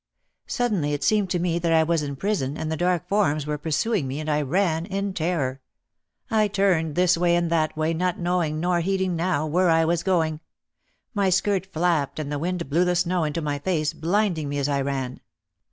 Suddenly it seemed to me that I was in prison and the dark forms were pursuing me and I ran in terror. I turned this way and that way, not knowing nor heeding now where I was going. My skirt flapped and the wind blew the snow into my face blinding me as I ran.